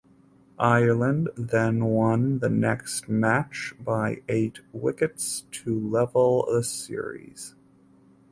Ireland then won the next match by eight wickets to level the series.